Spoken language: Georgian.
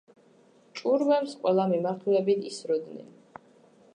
ჭურვებს ყველა მიმართულებით ისროდნენ.